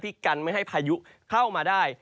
กันไม่ให้พายุเข้ามาได้